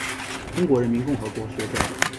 中华人民共和国学者。